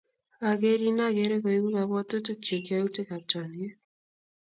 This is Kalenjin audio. Akerin akere koeku kapwotutik chuk yautik ap chomyet.